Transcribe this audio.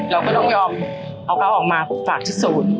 เราก็ต้องยอมเอาเค้าออกมาฝากที่ศูนย์